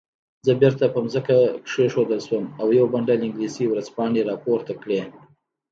زه بیرته په ځمکه کېښودل شوم او یو بنډل انګلیسي ورځپاڼې راپورته کړې.